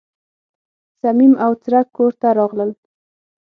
صمیم او څرک کور ته راغلل.